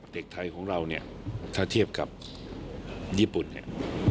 เด็กไทยของเราเนี่ยถ้าเทียบกับญี่ปุ่นเนี่ย